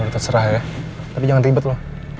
ya lo terserah ya tapi jangan ribet lo